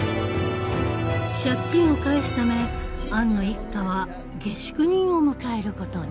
借金を返すためアンの一家は下宿人を迎えることに。